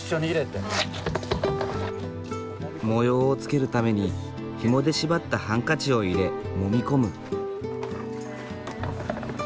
模様をつけるためにひもで縛ったハンカチを入れもみ込む。